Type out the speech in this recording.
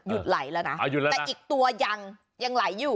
หยุดไหลแล้วนะอ่าหยุดแล้วนะแต่อีกตัวยังยังไหลอยู่